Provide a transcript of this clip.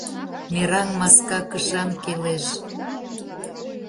Мераҥ маска кышам келеш: